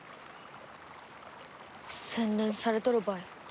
洗練されとるばい。